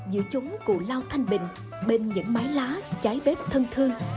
giữa chúng cụ lao thanh bình bên những mái lá chái bếp thân thương